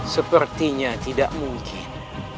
sepertinya tidak mungkin